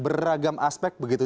beragam aspek begitu